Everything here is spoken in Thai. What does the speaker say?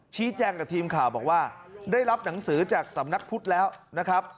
ชี้แจงกับทีมข่าวบอกว่าได้รับหนังสือจากสำนักพุทธแล้วนะครับ